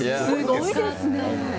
すごいですね。